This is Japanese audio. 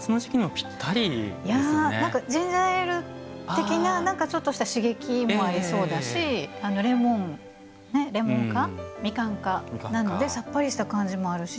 ジンジャエール的なちょっとした刺激もありそうだしミカン科なのでさっぱりした感じもあるし